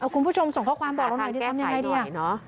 คุณผู้ชมส่งข้อความบอกเราหน่อยจะทำอย่างไรดี